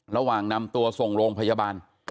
ระหว่างนำตัวส่งโรงพยาบาล